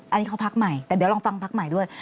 อันนี้เขาพักใหม่แต่เดี๋ยวลองฟังพักใหม่ด้วย